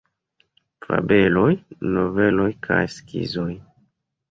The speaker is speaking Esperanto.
Fabeloj, Noveloj kaj Skizoj.